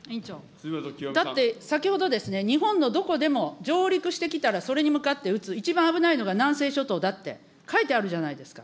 だって先ほど、日本のどこでも上陸してきたら、それに向かって撃つ、一番危ないのが南西諸島だって、書いてあるじゃないですか。